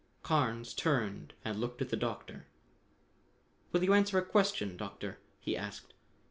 Carnes turned and looked at the Doctor. "Will you answer a question, Doctor?" he asked.